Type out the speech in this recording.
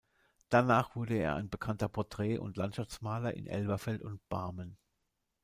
Danach wurde er ein bekannter Porträt- und Landschaftsmaler in Elberfeld und Barmen.